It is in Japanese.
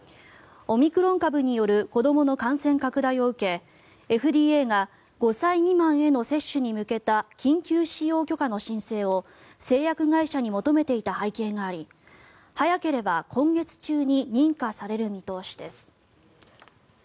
オミクロン株による子どもの感染拡大を受けＦＤＡが５歳未満への接種に向けた緊急使用許可の申請を製薬会社に求めていた背景があり早ければ今月中に認可される見通しです。